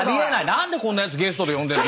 何でこんなやつゲストで呼んでんの？